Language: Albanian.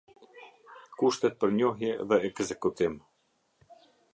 Kushtet për njohje dhe ekzekutim.